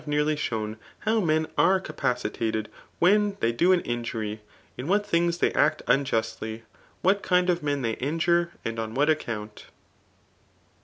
79 nearly shown how min m cipadtsttd when they do an injury, in what things they act unjustly, what kind of ineii they injure^ and on what account.